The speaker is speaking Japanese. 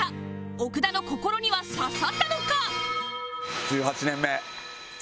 奥田の心には刺さったのか？